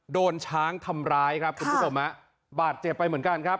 โดนช้างทำร้ายครับคุณผู้ชมฮะบาดเจ็บไปเหมือนกันครับ